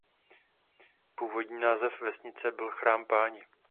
Původní název vesnice byl "Chrám páně".